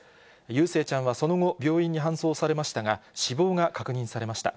ゆうせいちゃんはその後、病院に搬送されましたが、死亡が確認されました。